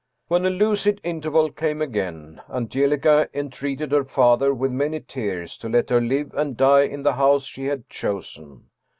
" When a lucid interval came again Angelica entreated her father, with many tears, to let her live and die in the house she had chosen.